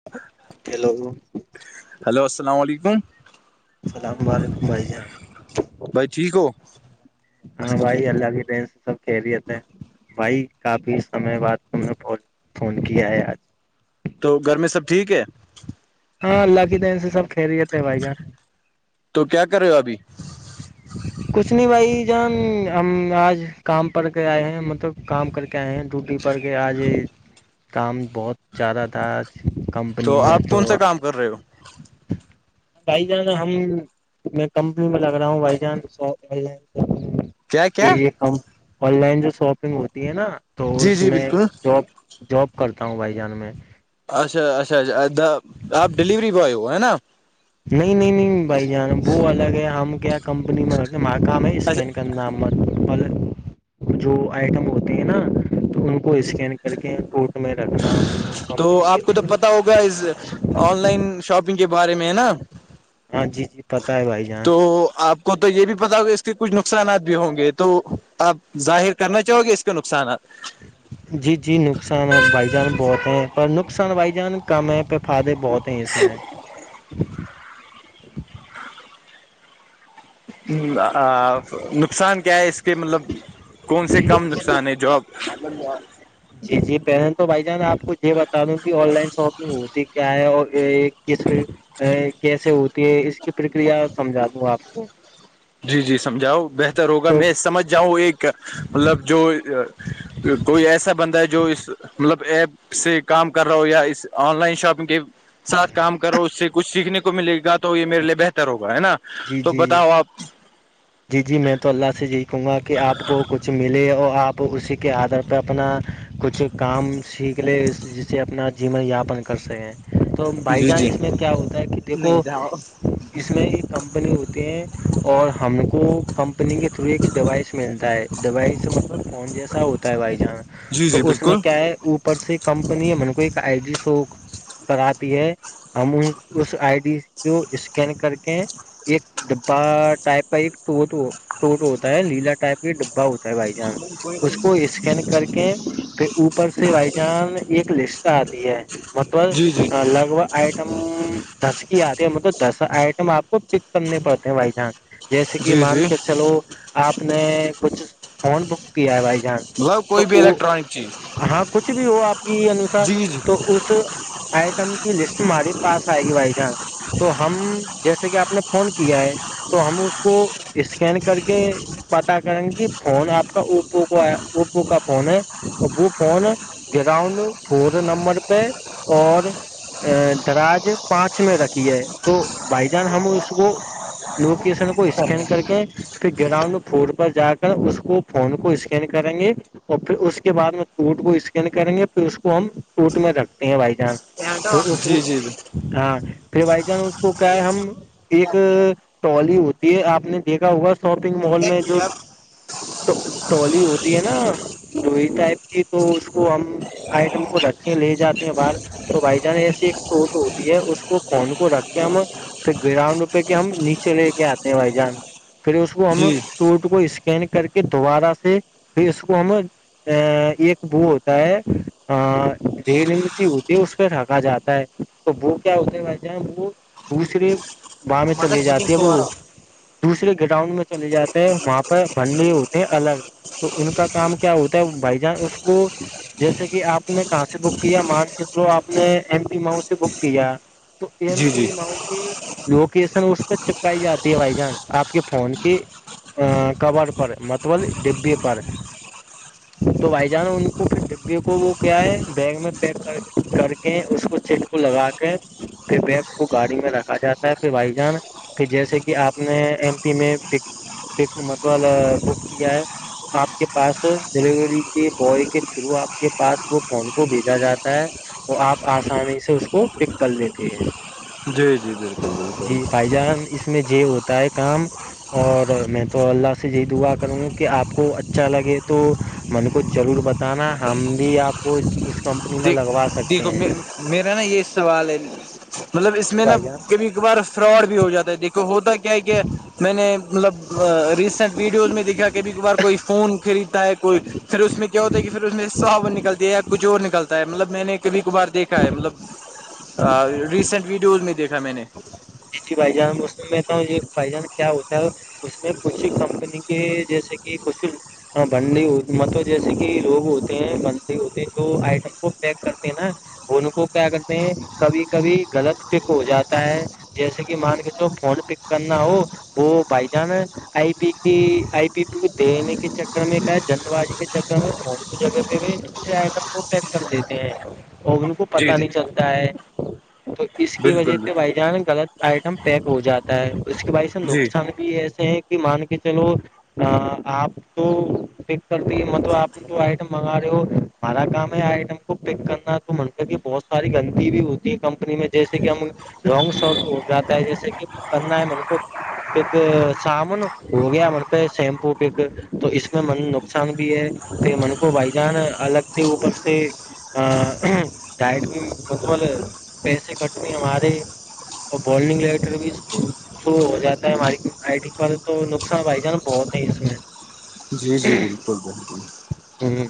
ااں [inaudible] hello [inaudible] hello السلام علیکم السلام علیکم بھائی جان بھائی ٹھیک ہو ہاں بھائی اللہ کی ٹری سے سب کھی رہتے [unintelligible] بھائی کافی سمے بعد تم نے ب فون کیا ہے آج تو گھر میں سب ٹھیک ہے ہاں اللہ کی دن سے سب کھیری لییتےے بھائی جاں تو کیا کر رہے ہو ابھی کچھ نہیں بھائی جان ہم آج کام کر کے آئے ہیں مطلب کام کر کے آئے ہیں ڈوٹی ار کے آج کام بہت زیادہ تھا آ کم تو آپ کون سا کام کر رہے ہو ہاں بھائی جانا ہم میں کمپنی میں لگ رہا ہوں بھائی جان کیا کہ کیا یہ آن لائن جو شاپنگ ہوتی ہے نا تو جی اس جی میں بالکل جاب جاب کرتا ہوں بھائی جان میں اچھا اچھا اچا آپ ڈلیوری بوائے ہو ہے نا نہیں نہیں نہیں بھائی جان وہ الگ ہے ہم کیا کمپنی میں ہمارا کام ہے اسکین اچھا کر نام پل جو آئٹم ہوتی ہے نا تو ان کو اسکین کر کے کوڈ رکھنار تو کمپنی کے آپ کو تو تھرو پتا اس آن لائن شاپنگ کے بارے میں ہے نا ہاں جی جی پتا ہے بھائی جان تو آپ کو تو یہ بھی پتا ہوگا اس کے کچھ نقصانات بھی ہوں گے تو آپ ظاہر کرنا چاہو گے اس کے نقصانات جی جی نقصان ہے بھائی جان بہت ہیں پر نقصان بھائی جان کم ہے پ فدےہ بہت ہیں اس میں نقصان کیا ہے اس کے مطلب کون سے کم نقصان ہے جاب مطلب وہ جی جی پہلے تو بھائی جان آپ کو یہ بتا دوں کہ آن لائن شاپنگ ہوتی کیا ہے اور کس کیسے ہوتی ہے اس کی پرکریا سمجھا دوں آپ کو جی جی سمجھاؤ بہتر ہوگا تو میں سمجھ جاؤں ایک مطلب جو کوئی ایسا بندہ ہے جو اس مطلب ایپ سے کام کر رہا ہوں یا آن لائن شاپنگ کے ساتھ کام کرو اس سے کچھ سیکھنے کو ملے گا تو یہ میرے لیے بہتر ہوگا ہے نا جی تو جی جی بتاؤ آپ جی جی میں تو اللہ سے یہی کہوں گا کہ آپ کو کچھ ملے اور آپ تو اسی کے آدار پہ اپنا کچھ کام سیکھ لے جسے اپنا جین یاپن کر سک ہیں تو بھائی جی جان جی اس میں کیا ہوتا ہے کہ دیکھو اس میں ایک کمپنی ہوتی ہیں اور ہم کو کمپنی کے تھرو ایک ڈیوائس ملتا ہے ڈوائس مطلب فون جیسا ہوتا ہے بائی چانس جی جی تو اس میں بالکل کیا ہے اوپر سے کمپنی ہے مے کو ایک آئی جی سو کراتی ہے ہم اس آئی ڈی کو اسکین کر کے ایک ڈبا ٹائپ کا ایک ٹوٹ ٹوٹ ہوتا ہے لیلا ٹائپ کا ڈبا ہوتا بھائی جان اس کو اسکین کر کے پھر اوپر سے بھائی جان ایک لسٹ آتی ہے جی جی مطلب لگ بھگ آئٹم دس کی آتی ہے مطلب دس آئٹم آپ کو پک کرنے پڑتے ہیں بائی چانس جیس جی مان جی کے چلو آپ نے کچھ فون بک کیا ہے بھائی جان با تو کوئی بھی وہ الیکٹرانکس ہاں کچھ بھی ہو آپ کی انوسار جی جی تو اس آئٹم کی لسٹ ماری پس آئے گی بھائی جان تو ہم جیسے کہ آپ نے فون کیا ہے تو ہم اس کو اسکین کر کے پتا کریں گے کہ فون آپ کا اوو کا اپو کا فون ہے وہ فون گراؤنڈ فور نمبر پہ اور ا درج پانچ میں رکھی ہے تو بھائی جان ہم اس کو نوکشن کو اسکین کر کے پھر گراؤنڈ فلور پر جا کر اس کو فون کو اسکین کریں گے اور پھر اس کے بعد میں ٹٹ کو اسکین کریں گے پھر اس کو ہم ٹوٹ میں رکھتے ہیں بھائی جان پھر اس کو جی جی جی ہاں پھر بھائی جان اس کو کیا ہے ہم ایک ٹوال ہوتی ہے آپ نے دیکھا ہوگا شاپنگ مال جی میں جو جی اسٹال ہوتی ہے نا لوی ٹائپ کی تو اس کو ہم آئٹم کو رکھے لے جاتے ہیں باہر تو بائی جان ایسی ایک چوٹ ہوتی ہے اس کو فون کو رکھ کے ہم پھر گراؤنڈ پہ کہ ہم نیچے لے کے آتے ہیں بھائی جان پھر اس کو ہم ٹوٹ کو اسکین کر کے دوبارہ سے پھر اس کو ہم ا ایک بو ہوتا ہے ڈیڑ سی ہوتی ہے اس پہ رکا جاتا ہے تو وہ کیا ہوتے ہیں بھائی جان وہ دوسرے باں میں چلے جاتی ہے وہ دوسرے گراؤنڈ میں چلے جاتے ہیں وہاں پہ بھنڈے ہوتے ہیں الگ تو ان کا کام کیا ہوتا ہے بائی جان اس کو جیسے کہ آپ نے کہاں سے بک کیا مان کے تھرو آپ نے ایم پی ماؤ سے بک کیا تو ایم پی ماؤنٹ کی لوکیشن اس پہ چپکائی جاتی ہے بھائی جان آپ کے فون کے کور پر مطبول ڈبے پر تو بھائی جان ان کو ڈپی کو وہ کیا ہے بیگ میں پ کر کر کے اس کو چٹ کو لگا کے پھر بیگ کو گاڑی میں رکھا جاتا ہے پھر بھائی جان پ جیسے کہ آپ نے ایم پی میںک متب بک کیا ہے تو آپ کے پاس ڈیلیوری کے بوائے کے تھرو آپ کے پاس وہ فون کو بھیجا جاتا ہے وہ آپ آسانی سے اس کو پک کر دیتے ہیں جی جی بالکل بالکل فائی جان اس میں یہ ہوتا ہے کام اور میں تو اللہ سے یہی دعا کروں گا کہ آپ کو اچھا لگے تو من کو ضرور بتانا ہم بھی آپ کو اس کمپنی میں دیک لگوا دیکھو سکتے ہیں میرا نا یہ سوال ہے مطلب جی اس جی میں نا بھائی جان کبھی بار فراڈ بھی ہو جاتا ہے دیکھو ہوتا کیا ہے کیا میں نے مطلب ریسینٹ ویڈیوز میں دیکھا کبھی کبھار کوئی فون خریدتا ہے کوئی پھر اس میں کیا ہوتا ہے کہ پھر اس میں صاون نکل ہے یا کچھ اور نکلتا مطلب میں نے کبھی کبھار دیکھا ہے مطلب ریسینٹ ویڈیوز میں دیکھا میں نے جی جی بھائی جان ب میںتا ہوں یہ بھائی جان کیا ہوتا ہے اس میں کچھ کمپنی کے جیسے کہ کچھ ہاں بندی مطلب جیسے کہ لوگ ہوتے ہیں بندے ہوتے ہیں جو آئٹم کو پیک کرتے ہیں نا دونوں کو کیا کرتے ہیں کبھی کبھی غلط پک ہو جاتا ہوتا ہے جیسے کہ مان کے چو فون پک کرنا ہو وہ بھائی جان ہے آئی پی کی آئی پی پی کو دینے کے چکر میں کا ہے جند بازی کے چکر میںون کو جگے ہوئے دوسرے آئٹم کو پیک کر لیتے ہیں اور کو کو جی پتا جی نہیں چلتا ہے تو اس کی وجہ بالکل سے بالکل، بھائی جان غلط آئٹم پیک ہو جاتا اس کے بع سے جی نقصان بھی ایسے ہیں کہ مان کے چلو آپ تو پک کرتی ہے ملب آپ آئٹم منگا رہے ہو ہمارا کام ہے آئٹم کو پک کرنا منتا کہ بہت ساری گندی بھی ہوتی ہے کمپنی میں جیسے کہ ہم رانگ شارٹ ہو جاتا ہے جیسے کہ کرنا ہے من کو پ ایک سامن ہو گیا من پہ شیمپو پ ایک تو اس میں من نقصان بھی ہے پ من کو بھائی جان الگ تھے اوپر سے ا ڈائٹ بھی مطبل پیسے کٹنے ہمارے اور بالنگ لٹر بھی شروع ہو جاتا ہے ہماری آئی ٹی پر تو نقصان بھائی جان بہت ہے اس میں جی جی بالکل بالکل ہوں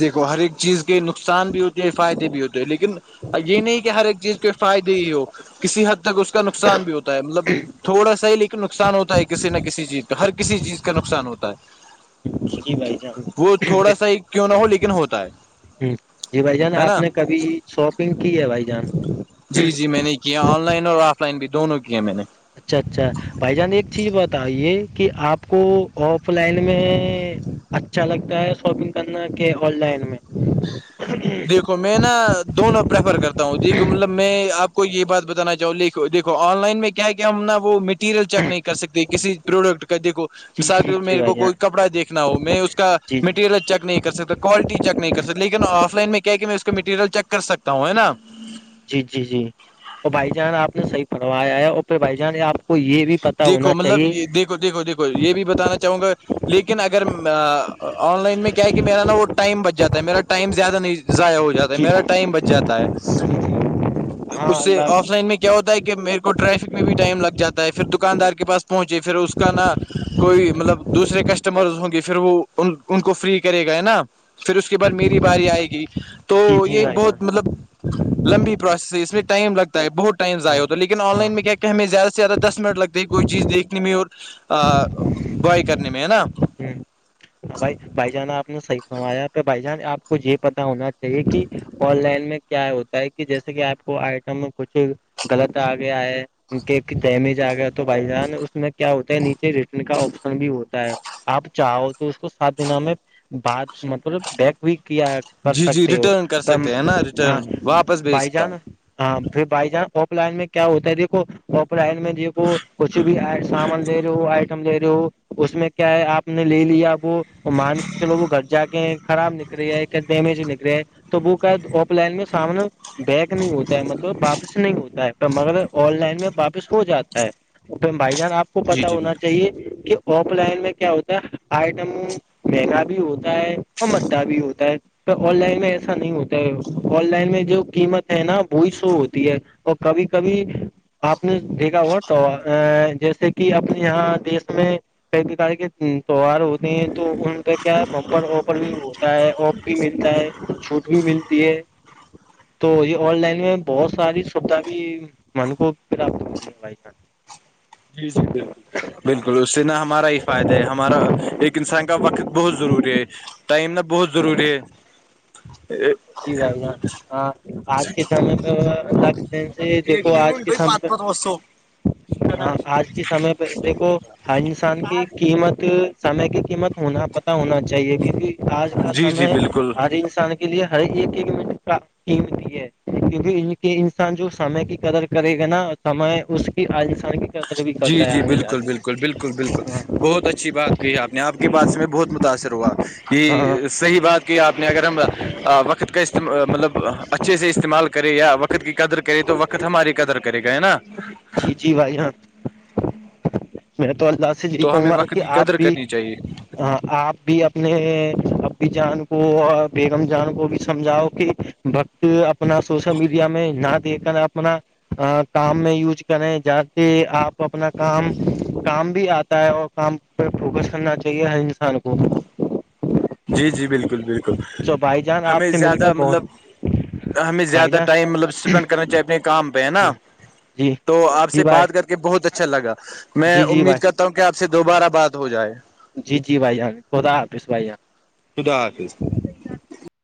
دیکھو ہر ایک چیز کے نقصان بھی ہوتے ہیں فائدے بھی ہوتے ہیں لیکن یہ نہیں کہ ہر ایک چیز کے فائدے ہی ہو کسی حد تک اس کا نقصان بھی ہوتا ہے مطلب تھوڑا سا ہی لیکن نقصان ہوتا ہے کسی نہ کسی چیز کا ہر کسی چیز کا نقصان ہوتا ہے جی بھائی جان وہ ہ تھوڑا سا ہی کیوں نہ ہو لیکن ہوتا ہے جی بھائی جان ہے آپ نا نے کبھی شاپنگ کی ہے بھائی جان جی جی میں نے کیا آن لائن اور آف لائن بھی دونوں کی میں نے اچھا اچھا بھائی جان ایک چیز بتائیے کہ آپ کو آف لائن میں اچھا لگتا ہے شاپنگ کرنا کہ آن لائن میں دیکھو میں نا دونوں پریفر کرتا ہوں دیک کو مطلب میں آپ کو یہ بات بتانا چاہوں گی دیکو آن لائن میں کیا ہے کہ ہم نا وہ مٹیریل چیک نہیں کر سکتے کسی پروڈکٹ کا دیکھو جی مثال کے جی ط جی میرے بھائی کو جان کوئی کپڑا دیکھنا ہو میں اس کا جی جی مٹیریل چیک نہیں کر سکتا کوالٹی چیک نہیں کرک لیکن آف لائن میں کیا کہ میں اس کا میٹیریل چیک کر سکتا ہوں ہے نا جی جی جی اور بھائی جان آپ نے صحیح پڑھوایا ہے اور پھر بھائی جان آپ کو یہ بھی پتا دیکھو ہونا مطلب چاہیے یہ دیکھو دیکو یہ بھی بتانا چاہوں گا لیکن اگر آن لائن میں کیا ہے کہ میرا نا وہ ٹائم بچ جاتا ہے میرا ٹائم زیادہ نہیں ضائع ہو جاتا ہے جی میرا ٹائم جی بچ جاتا ہے جی ہاں اس سے اللہ آف لائن میں کیا ہوتا ہے کہ میرے کو ٹریفک میں بھی ٹائم لگ جاتا ہے پھر دکاندار کے پاس پہنچے پھر اس کا نا کوئی مطلب دوسرے کسٹمرز ہوں گے پھر وہ ان ان کو فری کرے گا ہے نا پھر اس کے بعد میری باری آئے گی تو جی جی یہ بھائی جان بہت مطلب لمبی پروسیس ہے اس میں ٹائم لگتا ہےہ ٹائمضائع ہاں ہوتا لیکن ہاں لائن میں کیا کہیں زدہ سے زیادہ دسن لگتا کوئی چیز دیکھنے میں اور بوائے کرنے میں ہے نا ہاں بھائی بھائی جان آپ نے صحیح سنوایا پ بھائی جان آپ کو یہ پتتا ہونا چاہیے کہ آن لائن میں کیا ہوتا ہے کہ جیسے کہ آپ کو آئٹم کچھ غلط آ گیا ہے کہ کہ ڈیمیج آ گیا تو بھائی جان اس میں کیا ہوتا ہے نیچے ریٹرن کا آپشن بھی ہوتا ہے آپ چاہو تو اس کو سات دن میں بعد مطلب ب بھی کیا کر جی جی سکتے ہو ریٹرن کر تم سکتے ہیں نا ہ ریٹرن واپس بھیج بائی سکتا ہوں جانس ہاں پھر بائی جانس آف لائن میں کیا ہوتا ہے دیکھو اورپرن میں دیک کچھ بھی سامان لے رہے ہو آئٹم دے رہے ہو اس میں کیا ہے آپ نے لے لیا وہ مان کے چلو وہ گھر جا کے ہیں خراب نک رہے ہے کیا ڈیمیج نکلے ہے تو وہ کہ آف لائن میں سامنے بیک نہیں ہوتا ہے مطلب واپس نہیں ہوتا ہے مگر آن لائن میں واپس ہو جاتا ہے ا بھائی جان آپ کو پت جی جی ہونا چاہیے کہ آف لائن میں کیا ہوتا ہے مہنگا بھی ہوتا ہے اور مھہ بھی ہوتا ہے تو آن لائن میں ایسا نہیں ہوتا ہے آن لائن میں جو قیمت ہے نا وہی شو ہوتی ہے اور کبھی کبھی آپ نے دیکھا ہو تو جیسے کہ اپنے یہاں دیش میں کئی پرکار کے تہوار ہوتے ہیں تو ان پہ کیا بپر وپر بھی ہے اک بھی ملتا ہے چھوٹ بھی ملتی ہے تو یہ آن لائن میں بہت ساری سوھا بھی من کو پراپت ہوتی ہے بھائی جان جی جی بالکل بالکل اس سے نا ہمارا ہی فائدہ ہے ہمارا ایک انسان کا وقت بہت ضروری ہے ٹائم نا بہت ضروری ہے جی بھائی جان ہاں آج کے سمے پہ وہ اللہ دیکھو آج کے سام ت ہاں آج کی سمے پہ دیکھو ہر انسان کی قیمت سمے کی قیمت ہونا پتا ہونا چاہیے کیونکہ آج کا جی جی سمے بالکل ہر انسان کے لیے ہر ایک ایک منٹ کا قمتی ہے کیونکہ ان کی انسان جو سمے کی قدر کرے گا نا سمے اس کی انسان کی قدر بھی جی کرتا ہے جی آگے جا بالکل کے بالکل بالکل بالکل بالکل ہاں بہت اچھی بات کہ آپ نے آپ کے بات سے بہت متاثر ہوا ہاں یہ صحی بات آپ نے اگر ہم وقت کا مطلب اچھے سے استعمال کرے یا وقت کی قدر کرے تو وقت ہماری قدر کرے گ نا جی جی بھائی ہاں [inaudible] میں تو اللہ سے یہی تو کہوں ہمیں گا وقت کہ کی آپ قدر بھی کرنی چاہیے ہ آپ بھی اب نے ابی جان کو اور بیگم جان کو بھی سمجھاؤ کہ بکت اپنا سوشل میڈیا میں نہ دیک کر اپنا کام میں یوز کریں جا کے آپ اپنا کام کام بھی آتا ہے اور کام فوکس کرنا چاہیے ہر انسان کو جی جی بالکل بالکل تو بھائی جان آپ ہمیں سے مل زیادہ کے بہت مطلب ہمیں بھائی زیادہ جان ٹائم مطلب اسپینڈ کرنا چاہیے اپنے کام پہ ہے نا جی جی تو آپ جی سے بھائی بات کرتے کہ بہت اچھا لگا میں جی جی امید بھائی کرتا ہوں کہ آپ سے دوبارہ بات ہو جائے جی جی بھائی ہ خدا آفس بھائی جان شدا حافظ